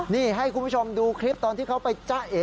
นี่ให้คุณผู้ชมดูคลิปตอนที่เขาไปจ้าเอ๋